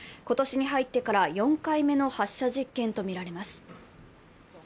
今年に入ってから４回目の発射実験とみられます。